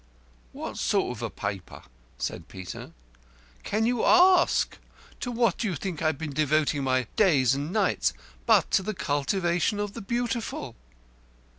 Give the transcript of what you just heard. "What sort of a paper?" said Peter. "Can you ask? To what do you think I've been devoting my days and nights but to the cultivation of the Beautiful?"